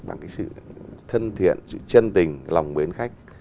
bằng cái sự thân thiện sự chân tình lòng mến khách